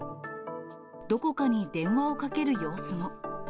どこかに電話をかける様子も。